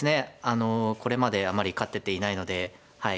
あのこれまであまり勝てていないのでは